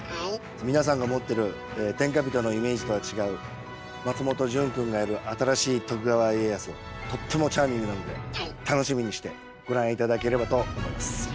皆さんが持ってる天下人のイメージとは違う松本潤くんがやる新しい徳川家康はとってもチャーミングなので楽しみにしてご覧頂ければと思います。